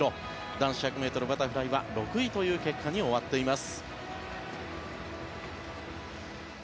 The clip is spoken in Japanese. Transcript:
男子１００ｍバタフライは６位という結果に終わっています。